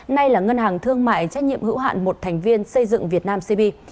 nay là ngân hàng thương mại trách nhiệm hữu hạn một thành viên xây dựng việt nam cb